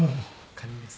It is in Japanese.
カニです。